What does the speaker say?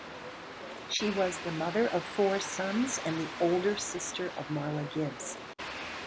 She was the mother of four sons, and the older sister of Marla Gibbs.